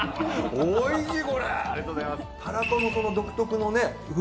おいしい。